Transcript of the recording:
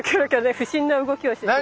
不審な動きをしてしまう。